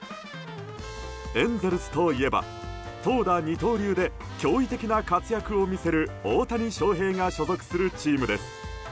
エンゼルスといえば投打二刀流で驚異的な活躍を見せる大谷翔平が所属するチームです。